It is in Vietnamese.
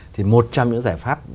thì một trong những giải pháp